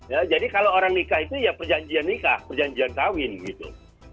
ya jadi kalau orang nikah itu ya perjanjian nikah perjanjian kawin gitu